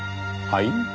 はい？